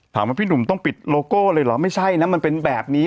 ถามว่าพี่หนุ่มต้องปิดโลโก้เลยหรือไม่ใช่เนี่ยมันเป็นแบบนี้